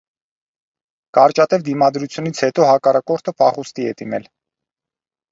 Կարճատև դիմադրությունից հետո հակառակորդը փախուստի է դիմել։